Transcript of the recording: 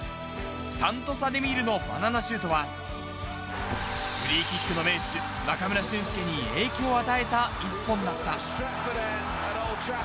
三渡洲アデミールのバナナシュートは、フリーキックの名手、中村俊輔に影響を与えた１本だった。